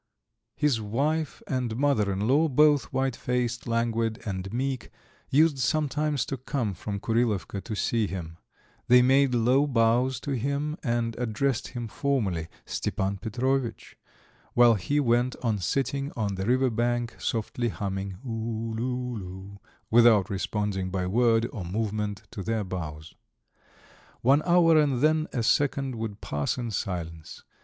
His wife and mother in law, both white faced, languid, and meek, used sometimes to come from Kurilovka to see him; they made low bows to him and addressed him formally, "Stepan Petrovitch," while he went on sitting on the river bank, softly humming "oo loo loo," without responding by word or movement to their bows. One hour and then a second would pass in silence.